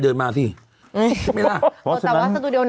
เต๋วว่าสตูดิโอหนาวจริง